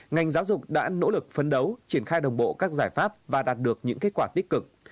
ngành giáo dục đã nỗ lực phấn đấu triển khai đồng bộ các giải pháp và đạt được những kết quả tích cực